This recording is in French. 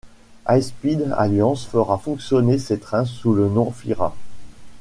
High Speed Alliance fera fonctionner ces trains sous le nom Fyra.